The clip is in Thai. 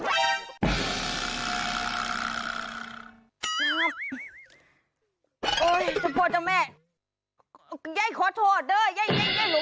แปลว่าตอนนี้ยายดาวกลัวแปลว่าตอนนี้ยายดาวกลัว